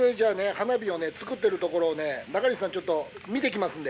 花火をね作ってるところをね中西さんちょっと見てきますんで。